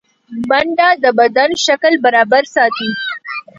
منډه د بدن شکل برابر ساتي